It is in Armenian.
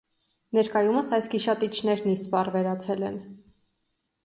Ներկայումս այս գիշատիչներն ի սպառ վերացել են։